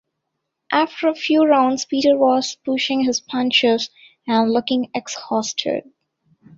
After a few rounds Peter was pushing his punches and looking exhausted.